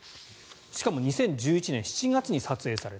しかも２０１１年７月に撮影された。